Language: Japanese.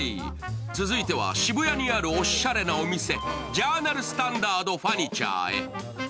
続いては渋谷にあるおしゃれなお店、ジャーナルスタンダードファニチャーへ。